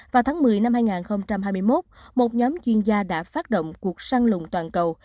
vào tháng một mươi năm hai nghìn hai mươi một một nhóm chuyên gia đã phát động cuộc săn lùng toàn cầu